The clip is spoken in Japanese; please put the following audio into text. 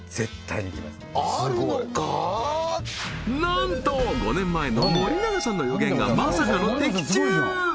なんと５年前の森永さんの予言がまさかの的中！